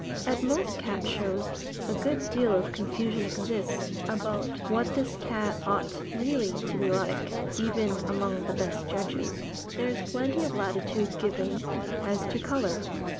At most cat shows, a good deal of confusion exists, about what this cat ought really to be like, even among the best judges. There is plenty of latitude given as to colour.